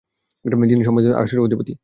যিনি সম্মানিত আরশের অধিপতি।